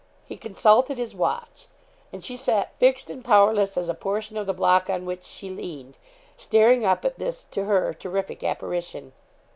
He consulted his watch, and she sat fixed and powerless as a portion of the block on which she leaned, staring up at this, to her, terrific apparition.